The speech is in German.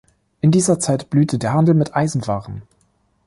In dieser Zeit blühte der Handel mit Eisenwaren.